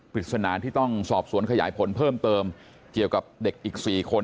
ปริศนาที่ต้องสอบสวนขยายผลเพิ่มเติมเกี่ยวกับเด็กอีก๔คน